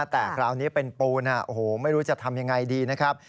แต่คราวนี้เป็นปูนโอ้โหไม่รู้จะทำยังไงดีนะครับ